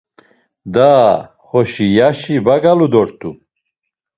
Daa xoşi yaşi va galu dort̆u.